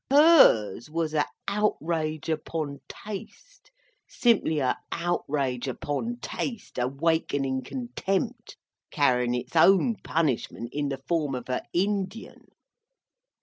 Hers was a outrage upon Taste—simply a outrage upon Taste—awakenin contempt—carryin its own punishment in the form of a Indian."